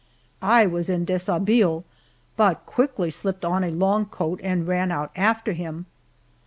I was en deshabille, but quickly slipped on a long coat and ran out after him.